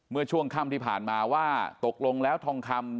เมื่อช่วงค่ำที่ผ่านมาว่าตกลงแล้วทองคำ